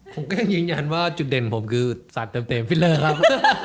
ผมก็ยังยืนยันว่าจุดเด่นผมคือสัตว์เต็มฟิลเลอร์ครับ